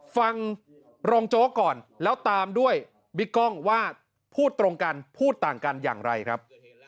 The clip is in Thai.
ฟังรองโจ๊กก่อนแล้วตามด้วยบิ๊กกล้องว่าพูดตรงกันพูดต่างกันอย่างไรครับ